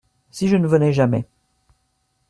Si je ne venais jamais ?